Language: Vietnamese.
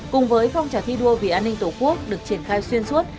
cùng với phong trào thi đua vì an ninh tổ quốc được triển khai xuyên suốt